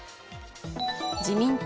自民党・